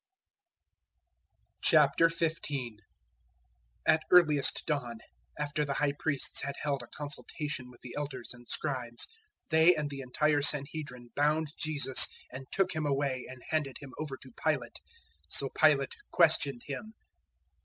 015:001 At earliest dawn, after the High Priests had held a consultation with the Elders and Scribes, they and the entire Sanhedrin bound Jesus and took Him away and handed Him over to Pilate. 015:002 So Pilate questioned Him.